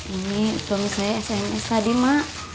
ini suami saya sms tadi mak